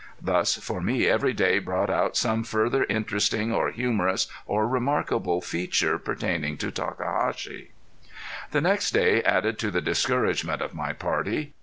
Thus for me every day brought out some further interesting or humorous or remarkable feature pertaining to Takahashi. The next day added to the discouragement of my party.